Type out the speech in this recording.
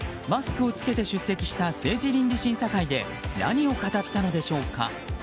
マスクを着けて出席した政治倫理審査会で何を語ったのでしょうか。